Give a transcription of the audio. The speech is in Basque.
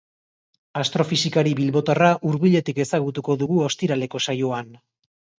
Astrofisikari bilbotarra hurbiletik ezagutuko dugu ostiraleko saioan.